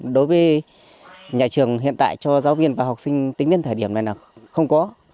đối với nhà trường hiện tại cho giáo viên và học sinh tính đến thời điểm này là không có